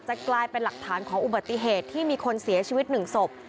กลายเป็นหลักฐานของอุบัติเหตุที่มีคนเสียชีวิตหนึ่งศพ